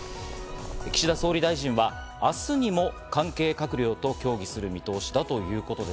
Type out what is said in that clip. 岸田総理大臣は明日にも関係閣僚と協議する見通しだということです。